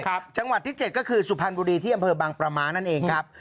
จังหวัดที่เจ็ดก็คือสุพรรณบุรีที่อำเภอบางประม้านั่นเองครับ